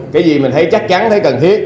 cái gì mình thấy chắc chắn thấy cần thiết